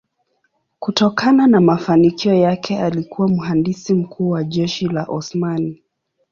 Kutokana na mafanikio yake alikuwa mhandisi mkuu wa jeshi la Osmani.